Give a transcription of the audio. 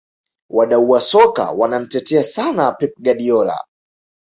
wadau wa soka wanamtetea sana pep guardiola